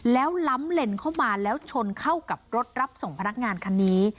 แล้วล้ำเลนเข้ามาแล้วชนเข้ากับรถรับส่งพนักงานคันนี้